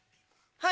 はい！